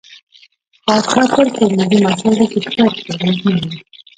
پاچا تل په ملي مسايلو کې پوخ دريځ نه لري.